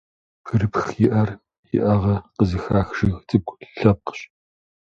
Бгырыпхиӏэр иӏэгӏэ къызыхах жыг цӏыкӏу лъэпкъщ.